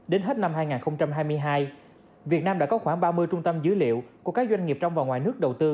đến hết năm hai nghìn hai mươi hai việt nam đã có khoảng ba mươi trung tâm dữ liệu của các doanh nghiệp trong và ngoài nước đầu tư